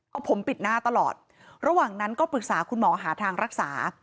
เอาผมปิดหน้าตลอดระหว่างนั้นก็ปรึกษาคุณหมอหาทางรักษา